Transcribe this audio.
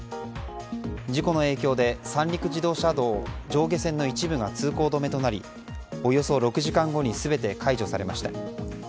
事故の影響で三陸自動車道上下線の一部が通行止めとなりおよそ６時間後に全て解除されました。